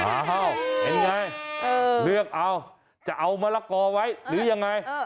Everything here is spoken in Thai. อ้าวเป็นไงเลือกเอาจะเอามะละกอไว้หรือยังไง